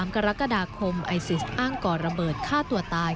กรกฎาคมไอซิสอ้างก่อระเบิดฆ่าตัวตาย